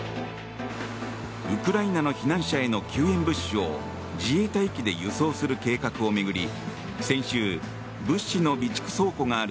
ウクライナの避難者への救援物資を自衛隊機で輸送する計画を巡り